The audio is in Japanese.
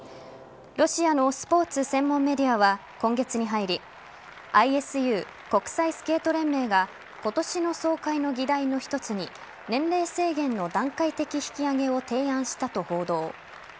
ロシアのスポーツ専門メディアは今月に入りＩＳＵ＝国際スケート連盟が今年の総会の議題の一つに年齢制限の段階的引き上げを提案したと報道。